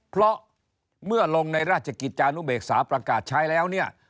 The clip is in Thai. เพราะเมื่อลงในราชกิจจานุเบกษาประกาศใช้แล้วเนี่ย